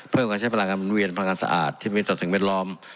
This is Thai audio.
เพื่อการใช้พลังงานบริเวณพลังงานสะอาดที่มีต่อสิ่งเมตรล้อม